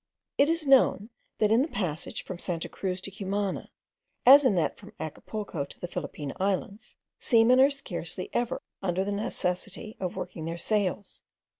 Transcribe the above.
It is known, that in the passage from Santa Cruz to Cumana, as in that from Acapulco to the Philippine Islands, seamen are scarcely ever under the necessity of working their sails.